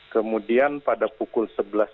kemudian pada pukul sebelas tiga puluh